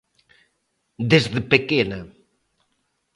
Desde pequena.